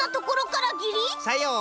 さよう。